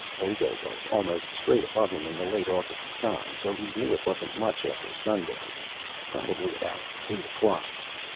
Vega was almost straight above him in the late August sky, so he knew it wasn't much after sundown probably about eight o'clock.